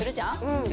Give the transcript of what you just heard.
うん。